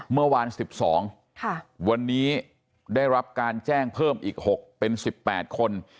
เมื่อวาน๑๒วันนี้ได้รับการแจ้งเพิ่มอีก๖เป็น๑๘คน